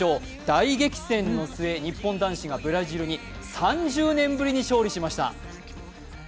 大激戦の末、日本男子がブラジルに３０年ぶりに勝利しました。